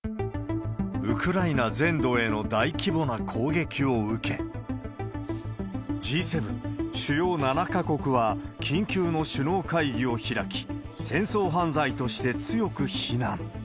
ウクライナ全土への大規模な攻撃を受け、Ｇ７・主要７か国は、緊急の首脳会議を開き、戦争犯罪として強く非難。